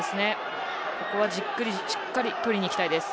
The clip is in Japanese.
ここはじっくりしっかり取りにいきたいです。